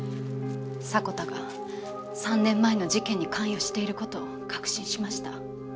迫田が３年前の事件に関与している事を確信しました。